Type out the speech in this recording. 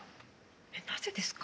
えっなぜですか？